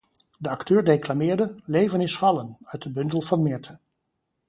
De acteur declameerde: "'Leven is Vallen,' uit de bundel van Mirthe."